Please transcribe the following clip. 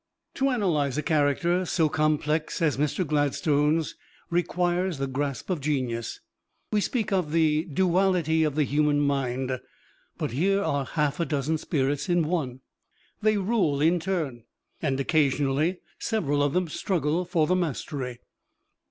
To analyze a character so complex as Mr. Gladstone's requires the grasp of genius. We speak of "the duality of the human mind," but here are half a dozen spirits in one. They rule in turn, and occasionally several of them struggle for the mastery.